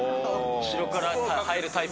後ろから入るタイプ